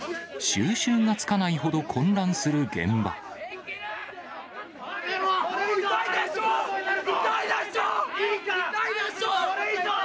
収拾がつかないほど混乱するやめろ。